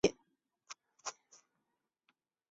本片被认为是带有强烈爱情元素的惊悚片。